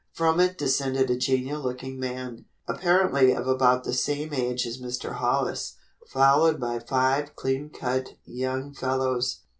From it descended a genial looking man, apparently of about the same age as Mr. Hollis, followed by five clean cut young fellows.